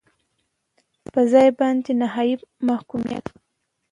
په جزا باندې نهایي محکومیت.